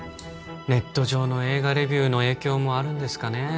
ネット上の映画レビューの影響もあるんですかね？